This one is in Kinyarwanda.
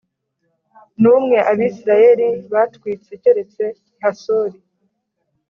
n umwe Abisirayeli batwitse keretse i Hasori